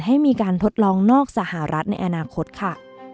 ให้มีการทดลองนอกสหรัฐในอนาคตค่ะ